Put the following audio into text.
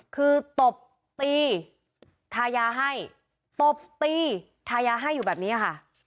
คือตบตีทายาให้ตบตีทายาให้อยู่แบบนี้ค่ะ